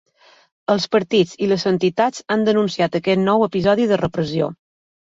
Els partits i les entitats han denunciat aquest nou episodi de repressió.